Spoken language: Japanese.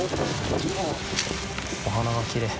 お花がきれい。